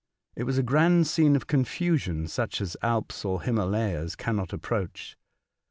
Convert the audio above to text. It was a grand scene of confusion such as Alps or Himalayas cannot approach.